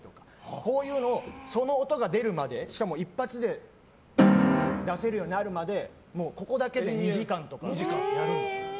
こういうのをその音が出るまでしかも一発で出せるようになるまでここだけで２時間とかやるんです。